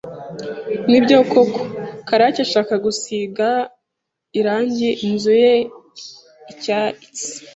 Nibyo koko Karaki ashaka gusiga irangi inzu ye icyatsi?